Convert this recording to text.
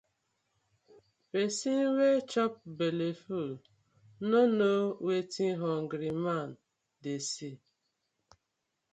Person wey chop belle full, no know wetin hungry man dey see: